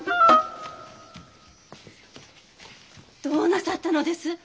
どうなさったのです？